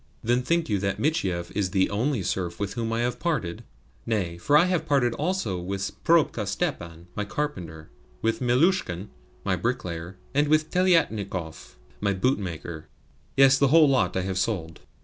"Then think you that Michiev is the ONLY serf with whom I have parted? Nay, for I have parted also with Probka Stepan, my carpenter, with Milushkin, my bricklayer, and with Teliatnikov, my bootmaker. Yes, the whole lot I have sold."